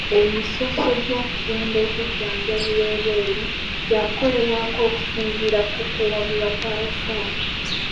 Emisoso gy'okugenda okujjanjabirwa ebweru gy'akukolebwako okusinziira ku kuwabula kw'abasawo.